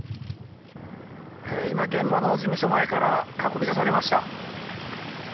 今、現場の事務所前から運び出されました。